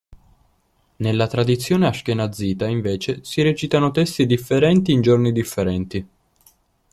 Nella tradizione ashkenazita invece si recitano testi differenti in giorni differenti.